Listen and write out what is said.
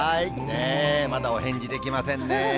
まだお返事できませんね。